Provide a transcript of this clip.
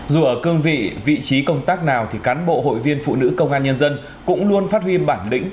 dù ở cương vị vị trí công tác nào thì cán bộ hội viên phụ nữ công an nhân dân cũng luôn phát huy bản lĩnh